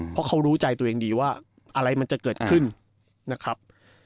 เพราะเขารู้ใจตัวเองดีว่าอะไรมันจะเกิดขึ้นนะครับ